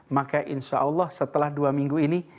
maka insya allah setelah dua minggu ini